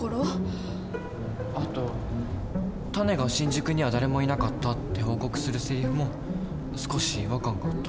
あとタネが「新宿には誰もいなかった」って報告するセリフも少し違和感があった。